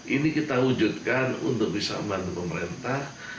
ini kita wujudkan untuk bisa membantu pemerintah